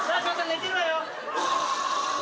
寝てるわよ。